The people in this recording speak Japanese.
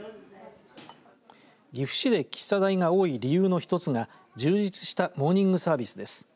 岐阜市で喫茶代が多い理由の一つが充実したモーニングサービスです。